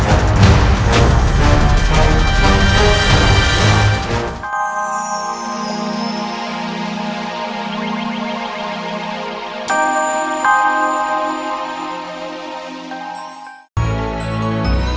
aku akan membawanya pergi dari sini